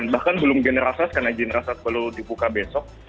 bahkan belum generasas karena generasas baru dibuka besok